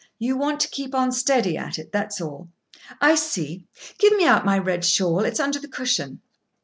You want to keep on steady at it, that's all." "I see. Give me out my red shawl, it's under the cushion."